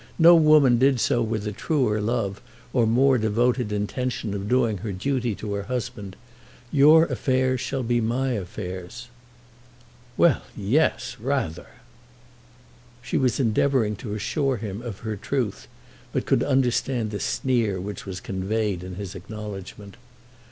No woman did so with a truer love or more devoted intention of doing her duty to her husband. Your affairs shall be my affairs." "Well; yes; rather." She was endeavouring to assure him of her truth, but could understand the sneer which was conveyed in his acknowledgement.